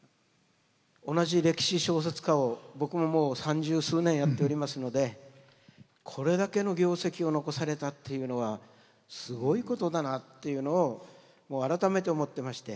同じ歴史小説家を僕ももう三十数年やっておりますのでこれだけの業績を残されたっていうのはすごいことだなっていうのをもう改めて思ってまして。